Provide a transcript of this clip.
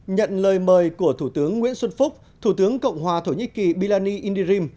nhận lời mời của thủ tướng nguyễn xuân phúc thủ tướng cộng hòa thổ nhĩ kỳ bilani indirim